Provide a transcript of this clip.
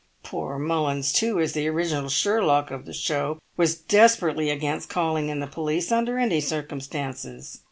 Poor Mullins, too, as the original Sherlock of the show, was desperately against calling in the police under any circumstances.